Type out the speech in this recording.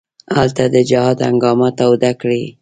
هلته د جهاد هنګامه توده کړي.